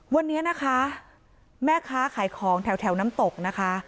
วันนี้นะคะแม่ค้าขายของแถวน้ำตกนะคะ